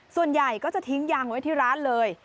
ส่วนใหญ่ก็จะทิ้งยางไว้ที่ร้านเลย